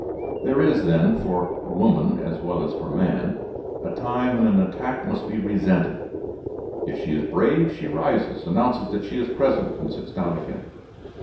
There is, then, for woman as well as for man, a time when an attack must be resented. If she is brave, she rises, announces that she is present, and sits down again.